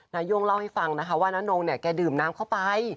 นาย่งเล่าให้ฟังนะคะว่าน้านงเนี่ยแกดื่มน้ำเข้าไป